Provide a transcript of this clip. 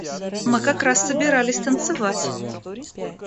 Мы как раз собирались танцевать.